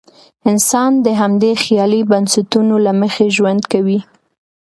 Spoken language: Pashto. انسان د همدې خیالي بنسټونو له مخې ژوند کوي.